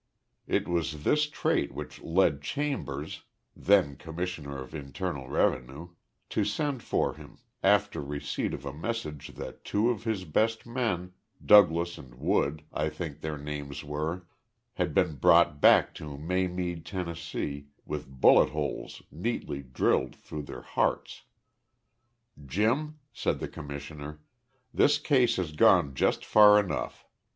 It was this trait which led Chambers, then Commissioner of Internal Revenue, to send for him, after receipt of a message that two of his best men Douglas and Wood, I think their names were had been brought back to Maymead, Tennessee, with bullet holes neatly drilled through their hearts. "Jim," said the Commissioner, "this case has gone just far enough.